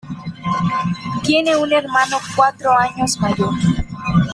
Tiene un hermano cuatro años mayor.